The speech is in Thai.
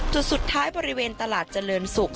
จุดสุดท้ายบริเวณตลาดเจริญศุกร์